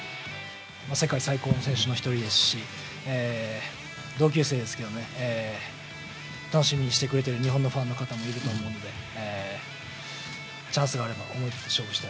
世界最高の選手の一人ですし、同級生ですけどね、楽しみにしてくれてる日本のファンの方もいると思うので、チャンスがあれば思い切って勝負したい。